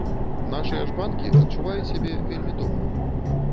Нашыя ж банкі адчуваюць сябе вельмі добра.